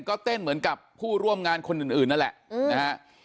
ก็เต้นเหมือนกับผู้ร่วมงานคนอื่นนั่นแหละนะฮะ